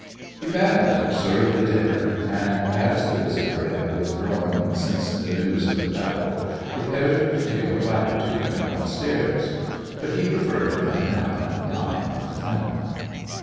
He bade them serve the dinner; and, as the visitor had withdrawn since the news of the battle, prepared to take a platter to him upstairs. But he preferred to come down and dine with the family.